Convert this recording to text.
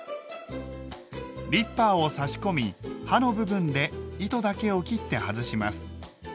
リッパーを差し込み刃の部分で糸だけを切って外します。